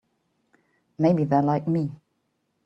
Maybe they're like me.